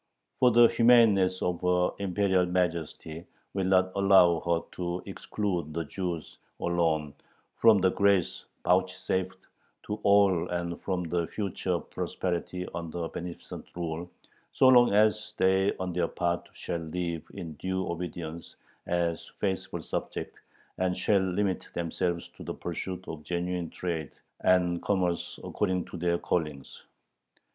For the humaneness of her Imperial Majesty will not allow her to exclude the Jews alone from the grace vouchsafed to all and from the future prosperity under her beneficent rule, so long as they on their part shall live in due obedience as faithful subjects, and shall limit themselves to the pursuit of genuine trade and commerce according to their callings.